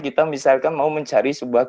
kita misalkan mau mencari suatu tempat